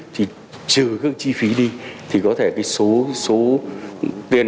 thì trừ các chi phí đi thì có thể cái số số tiền